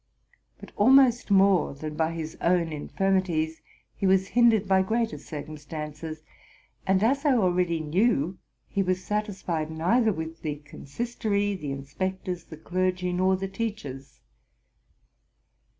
But almost more than by his own infirmities was he hindered by greater circumstances ; and, as I already knew, he was satisfied neither with the consistory, the inspectors, the clergy, nor the teachers.